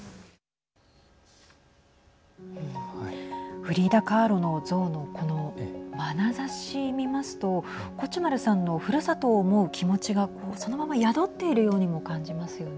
フリーダ・カーロの像のこのまなざし見ますとコチュマルさんのふるさと思う気持ちがこう、そのまま宿っているようにもはい。